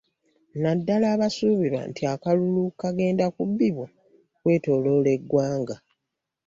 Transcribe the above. Naddala abasuubira nti akalulu kagenda kubbibwa okwetooloola eggwanga